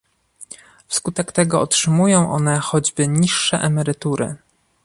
Wskutek tego otrzymują one choćby niższe emerytury